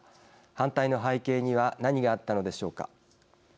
反対の背景には何があったのでしょうか。